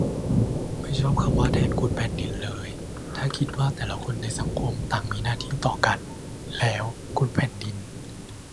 ไม่ชอบคำว่า 'แทนคุณแผ่นดิน' เลย ถ้าคิดว่าแต่ละคนในสังคมต่างมีหน้าที่ต่อกัน แล้ว 'คุณแผ่นดิน'